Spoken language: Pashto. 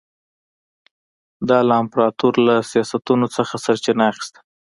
دا له امپراتور له سیاستونو څخه سرچینه اخیسته.